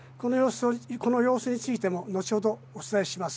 この様子についても後ほどお伝えします。